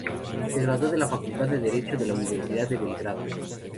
Se graduó de la Facultad de derecho de la Universidad de Belgrado.